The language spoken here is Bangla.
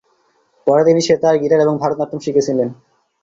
পরে তিনি সেতার, গিটার এবং ভারতনাট্যম শিখেছিলেন।